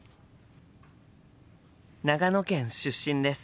長野県出身です。